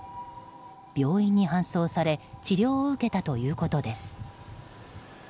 病院に搬送され治療を受けたということです。